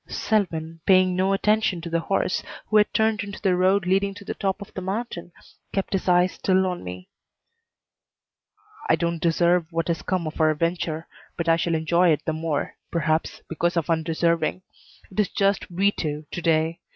Selwyn, paying no attention to the horse, who had turned into the road leading to the top of the mountain, kept his eyes still on me. "I don't deserve what has come of our venture, but I shall enjoy it the more, perhaps, because of undeserving. It is just 'we two' to day.